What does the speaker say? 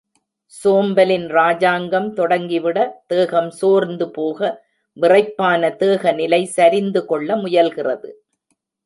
சோம்பலின் ராஜாங்கம் தொடங்கிவிட தேகம் சோர்ந்து போக விறைப்பான தேகநிலை சரிந்து கொள்ள முயல்கிறது.